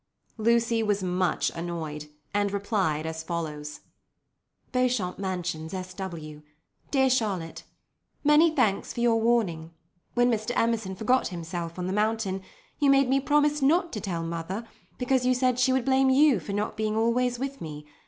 Lucy was much annoyed, and replied as follows: "BEAUCHAMP MANSIONS, S.W. "DEAR CHARLOTTE, "Many thanks for your warning. When Mr. Emerson forgot himself on the mountain, you made me promise not to tell mother, because you said she would blame you for not being always with me.